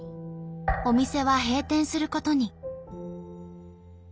お店は閉店することに。